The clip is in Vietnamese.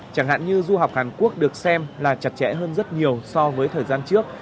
chẳng hạn như du học hàn quốc được xem là chặt chẽ hơn rất nhiều so với thời gian trước